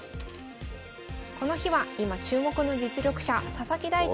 この日は今注目の実力者佐々木大地